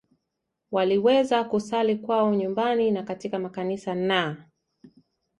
waliweza kusali kwao nyumbani na katika makanisa na